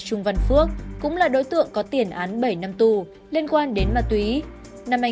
trung văn phước cũng là đối tượng có tiền án bảy năm tù liên quan đến ma túy